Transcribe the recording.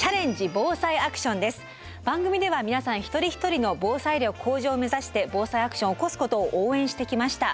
番組では皆さん一人一人の防災力向上を目指して「ＢＯＳＡＩアクション」を起こすことを応援してきました。